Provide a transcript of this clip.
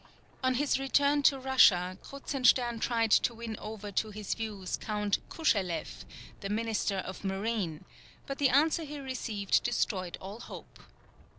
On his return to Russia, Kruzenstern tried to win over to his views Count Kuscheleff, the Minister of Marine, but the answer he received destroyed all hope.